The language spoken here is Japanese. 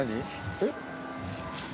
えっ？